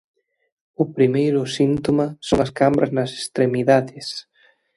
O primeiro síntoma son as cambras nas extremidades.